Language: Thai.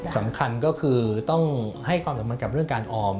สำคัญก็คือต้องให้ความสำคัญกับเรื่องการออม